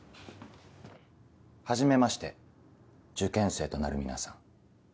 はじめまして受験生となる皆さん。